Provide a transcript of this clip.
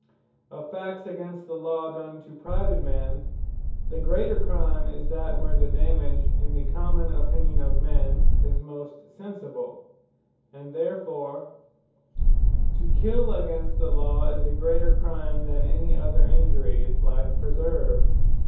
Crimes Against Private Men Compared Of facts against the Law, done to private men, the greater Crime, is that, where the dammage in the common opinion of men, is most sensible. And therefore To kill against the Law, is a greater Crime, that any other injury, life preserved.